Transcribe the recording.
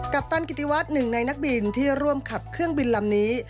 ปตันกิติวัฒน์หนึ่งในนักบินที่ร่วมขับเครื่องบินลำนี้